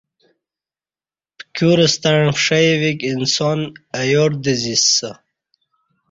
پکیور ستݩع پݜی ویک انسان اہ یار دزیسہ